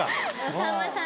さんまさん